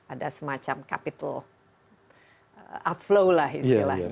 ada semacam capital outflow lah istilahnya